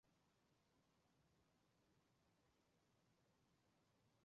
本剧惯用一老一少两个演员扮演同一个角色的不同时期。